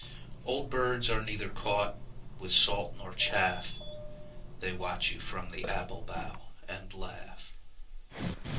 Old birds are neither caught with salt nor chaff: They watch you from the apple bough and laugh.